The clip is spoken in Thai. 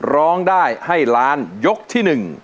ร้องได้ให้หลารยกที่หนึ่ง